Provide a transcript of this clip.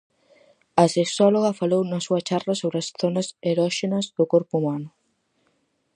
A sexóloga falou na súa charla sobre as zonas eróxenas do corpo humano.